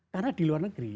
karena di luar negeri